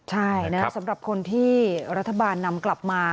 ใช่นะสำหรับคนที่รัฐบาลนำกลับมา